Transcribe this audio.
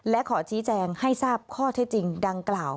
และขอชี้แจงให้ทราบข้อเท็จจริงดังกล่าว